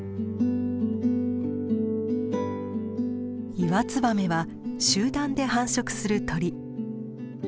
イワツバメは集団で繁殖する鳥。